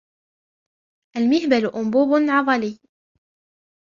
المهبل أنبوب عضلي.